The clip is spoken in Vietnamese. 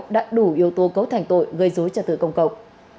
đã đủ yếu tố cấu thành tội gây rối cho tựa công cộng